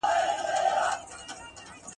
چي یو قند د یار د خولې په هار خرڅیږي !.